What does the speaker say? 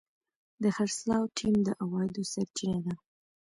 د خرڅلاو ټیم د عوایدو سرچینه ده.